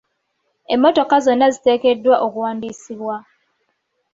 Emmotoka zonna ziteekeddwa okuwandiisibwa .